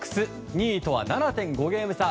２位とは７．５ゲーム差。